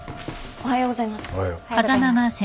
おはようございます。